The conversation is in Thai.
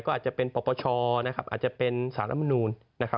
ก็อาจจะเป็นปรปชอาจจะเป็นศาลรัฐมนูล